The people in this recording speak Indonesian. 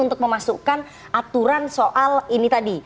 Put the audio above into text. untuk memasukkan aturan soal ini tadi